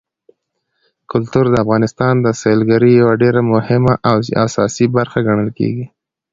کلتور د افغانستان د سیلګرۍ یوه ډېره مهمه او اساسي برخه ګڼل کېږي.